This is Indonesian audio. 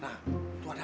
kamu stay disini